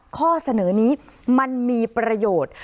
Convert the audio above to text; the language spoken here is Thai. ข้อเสนอนี้มันมีประโยชน์